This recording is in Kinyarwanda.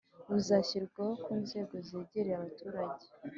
buzashyirwaho ku nzego zegereye abaturage.